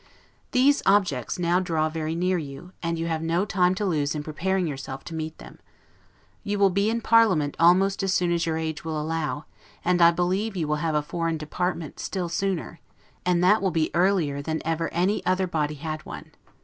These objects now draw very near you, and you have no time to lose in preparing yourself to meet them. You will be in parliament almost as soon as your age will allow, and I believe you will have a foreign department still sooner, and that will be earlier than ever any other body had one.